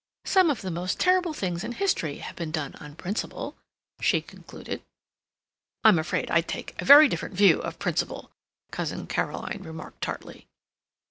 Some of the most terrible things in history have been done on principle," she concluded. "I'm afraid I take a very different view of principle," Cousin Caroline remarked tartly.